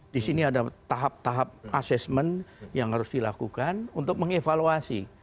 di sini ada tahap tahap assessment yang harus dilakukan untuk mengevaluasi